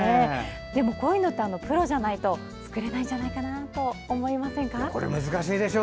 でもこういうのってプロじゃないと作れないんじゃないかなって思いませんか？